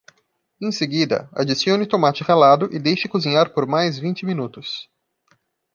Em seguida, adicione o tomate ralado e deixe cozinhar por mais vinte minutos.